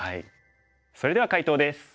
それでは解答です。